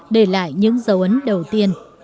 để lại những dấu ấn đầu tiên